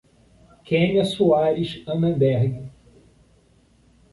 Kênia Soares Annemberg